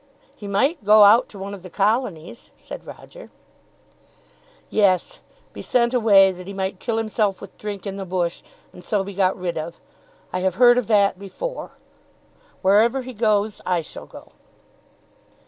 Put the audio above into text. "He might go out to one of the Colonies," said Roger. "Yes; be sent away that he might kill himself with drink in the bush, and so be got rid of. I have heard of that before. Wherever he goes I shall go."